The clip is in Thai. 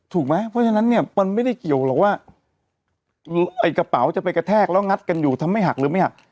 ถูกไหมเพราะฉะนั้นเนี่ยมันไม่ได้เกี่ยวหรอกว่าไอ้กระเป๋าจะไปกระแทกแล้วงัดกันอยู่ทำให้หักหรือไม่หัก